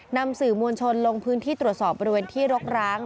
นำสื่อมวลชนลงพื้นที่ตรวจสอบบริเวณที่รกร้าง